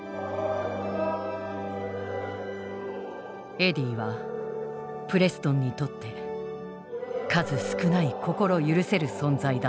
エディはプレストンにとって数少ない心許せる存在だった。